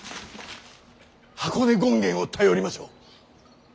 箱根権現を頼りましょう。